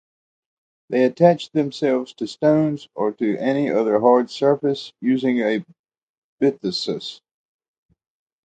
They attach themselves to stones or to any other hard surface using a byssus.